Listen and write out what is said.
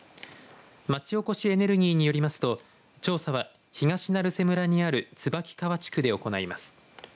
町おこしエネルギーによりますと調査は、東成瀬村にある椿川地区で行います。